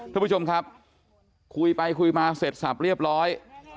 ทุกผู้ชมครับคุยไปคุยมาเสร็จสับเรียบร้อย